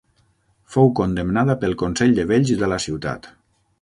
Fou condemnada pel consell de vells de la ciutat.